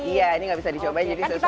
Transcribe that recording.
iya ini gak bisa dicobain jadi sesuai